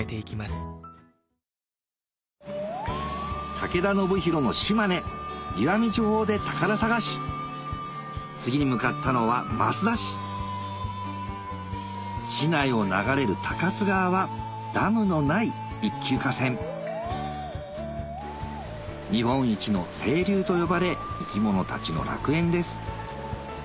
武田修宏の島根石見地方で宝探し次に向かったのは益田市市内を流れる高津川はダムのない１級河川日本一の清流と呼ばれ生き物たちの楽園です